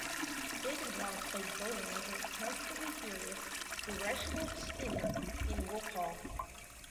David Robb played Boleyn as a constantly furious, irascible schemer in "Wolf Hall".